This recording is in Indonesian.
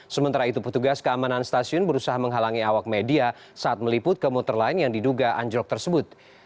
sementara itu petugas keamanan stasiun berusaha menghalangi awak media saat meliput ke motor lain yang diduga anjlok tersebut